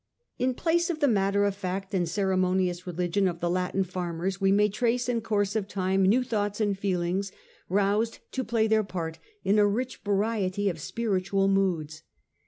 In place of the matter of fact and ceremonious religion of the Latin farmers, we may trace in course of time new thoughts and feelings roused to play their part in a rich variety of spiritual moods.